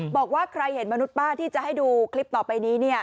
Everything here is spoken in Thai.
บอกว่าใครเห็นมนุษย์ป้าที่จะให้ดูคลิปต่อไปนี้